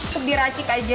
cukup diracik aja